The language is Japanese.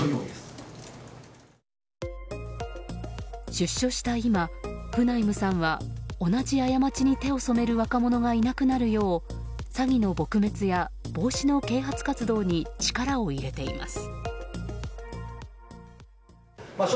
出所した今、フナイムさんは同じ過ちに手を染める若者がいなくなるよう詐欺の撲滅や防止の啓発活動に力を入れています。